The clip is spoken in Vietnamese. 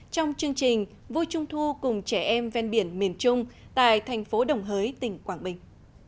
trong chương trình vui trung thu cùng trẻ em ven biển miền trung tại thành phố đồng hới tỉnh quảng bình